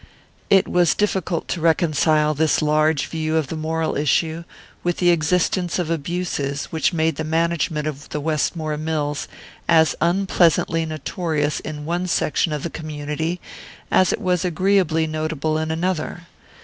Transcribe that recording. It was difficult to reconcile this large view of the moral issue with the existence of abuses which made the management of the Westmore mills as unpleasantly notorious in one section of the community as it was agreeably notable in another.